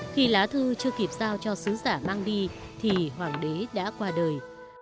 khi lá thư chưa kịp giao cho sứ giả mang đi thì hoàng đế đã qua đời